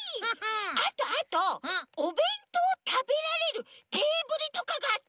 あとあとおべんとうをたべられるテーブルとかがあったほうがいいんじゃない？